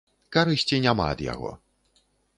Карысці няма ад яго.